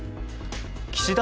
岸田